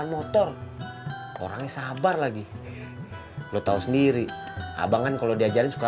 motor orangnya sabar lagi lo tahu sendiri abang kan kalau diajarin suka